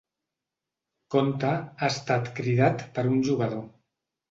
Conte ha estat cridat per un jugador.